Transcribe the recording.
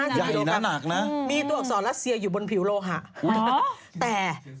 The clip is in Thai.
๕๐กิโลกรัมมีตัวอักษรรัสเซียอยู่บนผิวโลหะมีน้ำหนักนะ